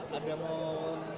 tadi ada mau